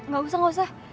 gak usah gak usah